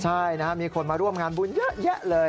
ใช่มีคนมาร่วมงานบุญเยอะเลย